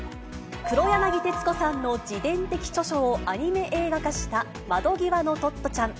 黒柳徹子さんの自伝的著書をアニメ映画化した窓ぎわのトットちゃん。